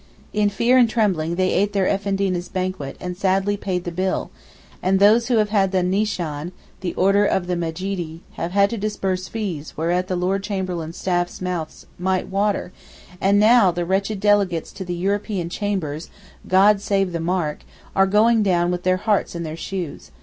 In fear and trembling they ate their Effendina's banquet and sadly paid the bill: and those who have had the Nishan (the order of the Mejeedee) have had to disburse fees whereat the Lord Chamberlain's staff's mouths might water, and now the wretched delegates to the Egyptian Chambers (God save the mark) are going down with their hearts in their shoes.